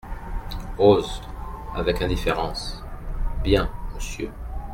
Rose , avec indifférence, Bien, Monsieur.